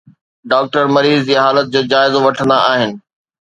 doctor مريض جي حالت جو جائزو وٺندا آهن